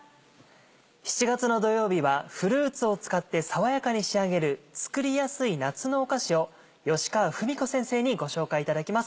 ７月の土曜日はフルーツを使って爽やかに仕上げる作りやすい夏のお菓子を吉川文子先生にご紹介いただきます。